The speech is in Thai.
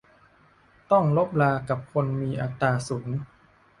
ต้องรบรากับคนมีอัตตาสูง